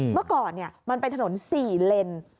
เมื่อก่อนมันเป็นถนน๔เลน